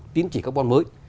tiến trị carbon mới